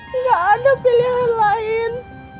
nggak ada pilihan lain